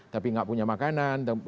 tapi tidak punya makanan